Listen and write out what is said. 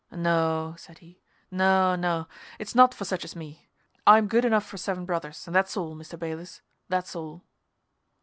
"No," said he. "No, no; it's not for such as me. I'm good enough for Seven Brothers, and that's all, Mr. Bayliss. That's all."